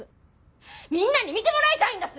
みんなに見てもらいたいんだす！